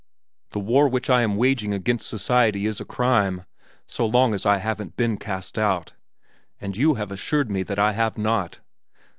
The war which I am waging against society is a crime, so long as I haven't been cast out and you have assured me that I have not."